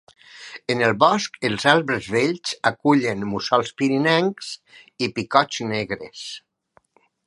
En el bosc, els arbres vells acullen mussols pirinencs i picots negres.